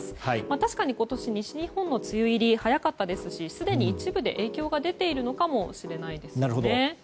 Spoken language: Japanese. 確かに今年、西日本は梅雨入りが早かったですしすでに一部で影響が出ているのかもしれませんね。